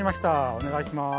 おねがいします。